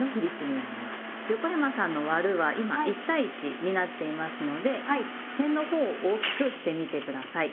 横山さんの「『割』る」は今１対１になっていますのでへんのほうを大きくしてみて下さい。